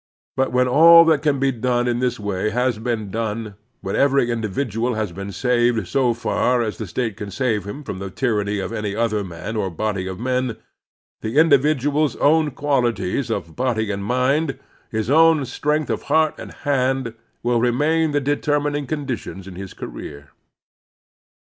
But when all that can be done in this way has been done, when every individual has been saved so far as the State can save him from the tyranny of any other man or bod^'' of men, the individual's own quali ties of body and mind, his own strength of heart and hand, will remain the determining conditions in his career.